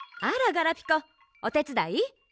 あらガラピコおてつだい？